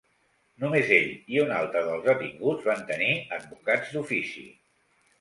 Només ell i un altre dels detinguts van tenir advocats d’ofici.